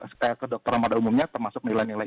sekalian ke dokter pada umumnya termasuk nilai nilai